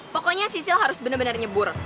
pokoknya sisil harus bener bener nyebur